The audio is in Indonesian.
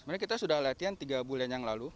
sebenarnya kita sudah latihan tiga bulan yang lalu